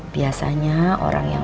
biasanya orang yang